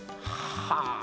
はあ。